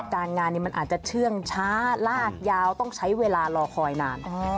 การงานนี้มันอาจจะเชื่องช้าลากยาวต้องใช้เวลารอคอยนาน